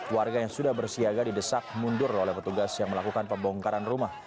warga yang sudah bersiaga didesak mundur oleh petugas yang melakukan pembongkaran rumah